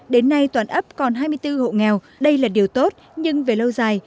đến nay toàn ấp còn hai mươi bốn hộ nghèo đây là điều tốt nhưng về lâu dài